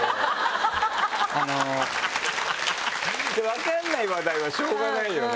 分かんない話題はしょうがないよね。